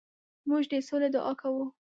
موږ د سولې دعا کوو.